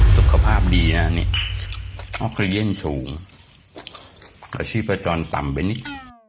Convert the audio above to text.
สุขภาพดีนะนี่ออกซีเย็นสูงกับชีพจรต่ำไปนิด